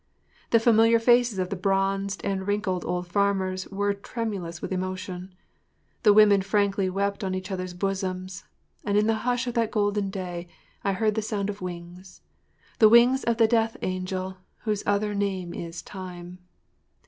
The familiar faces of the bronzed and wrinkled old farmers were tremulous with emotion. The women frankly wept on each other’s bosoms—and in the hush of that golden day I heard the sound of wings—the wings of the death angel whose other name is Time.